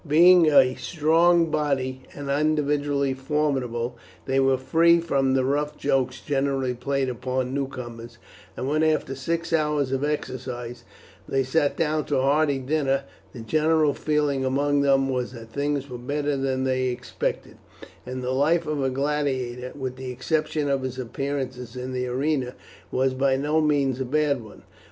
Being a strong body, and individually formidable, they were free from the rough jokes generally played upon newcomers, and when, after six hours of exercise, they sat down to a hearty dinner, the general feeling among them was that things were better than they expected, and the life of a gladiator, with the exception of his appearances in the arena, was by no means a bad one.